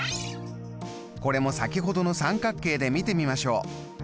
これも先ほどの三角形で見てみましょう。